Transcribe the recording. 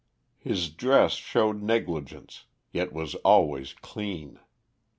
His dress showed negligence, yet was always clean.